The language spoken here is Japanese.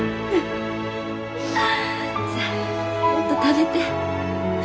さあもっと食べて。